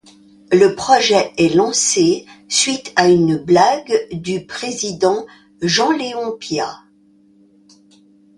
Le projet est lancé suite à une blague du président Jean-Léon Piat.